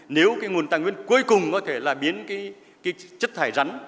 nếu nguồn tài nguyên cuối cùng có thể biến chất thải rắn